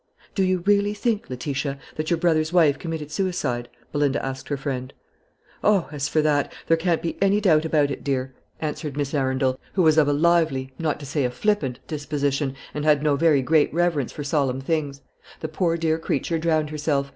"Do you really think, Letitia, that your brother's wife committed suicide?" Belinda asked her friend. "Oh, as for that, there can't be any doubt about it, dear," answered Miss Arundel, who was of a lively, not to say a flippant, disposition, and had no very great reverence for solemn things; "the poor dear creature drowned herself.